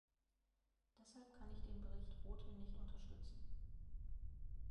Deshalb kann ich den Bericht Rothe nicht unterstützen.